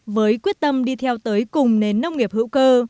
với quyết tâm đi theo tới cùng nền nông nghiệp hữu cơ